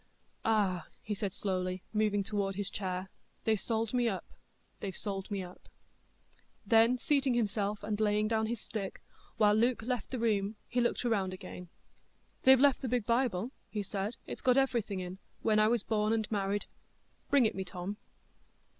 "Ah!" he said slowly, moving toward his chair, "they've sold me up—they've sold me up." Then seating himself, and laying down his stick, while Luke left the room, he looked round again. "They've left the big Bible," he said. "It's got everything in,—when I was born and married; bring it me, Tom."